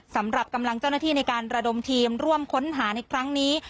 สำหรับกำลังเจ้าหน้าที่ในการระดมทีมร่วมค้นหาในครั้งนี้